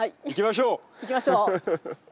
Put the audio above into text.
行きましょう！